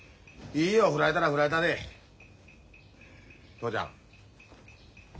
父ちゃん。